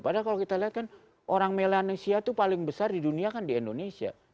padahal kalau kita lihat kan orang melanesia itu paling besar di dunia kan di indonesia